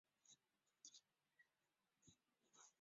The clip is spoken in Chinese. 万历二十年进士。